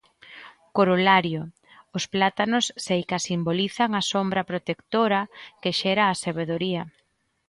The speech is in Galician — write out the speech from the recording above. Corolario: Os plátanos seica simbolizan a sombra protectora que xera a sabedoría.